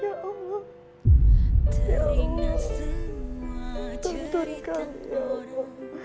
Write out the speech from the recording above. yang telah timnas semua cerita baru